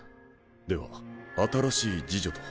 では新しい侍女とは？